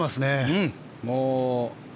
うん。